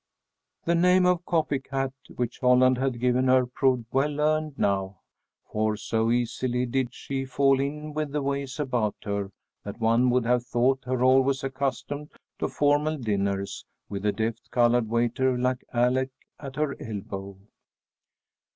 The name of copy cat which Holland had given her proved well earned now, for so easily did she fall in with the ways about her, that one would have thought her always accustomed to formal dinners, with a deft colored waiter like Alec at her elbow.